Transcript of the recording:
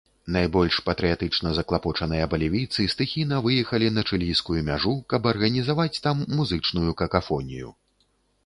Найбольш патрыятычна заклапочаныя балівійцы стыхійна выехалі на чылійскую мяжу, каб арганізаваць там музычную какафонію.